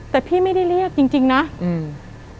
แต่พี่ไม่ได้เรียกจริงจริงนะอืม